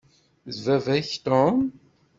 D baba-k Tom.